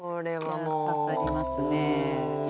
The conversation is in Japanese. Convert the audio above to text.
いや刺さりますね。